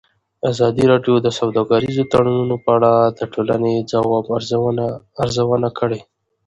ازادي راډیو د سوداګریز تړونونه په اړه د ټولنې د ځواب ارزونه کړې.